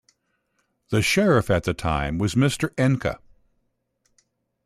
The sheriff at the time was Mr. Enke.